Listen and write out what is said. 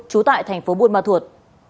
trú tại tp bun ma thuột